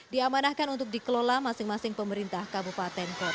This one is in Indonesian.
diamanahkan untuk dikelola masing masing pemerintah kabupaten kota